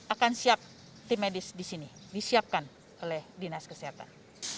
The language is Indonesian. akan siap tim medis di sini disiapkan oleh dinas kesehatan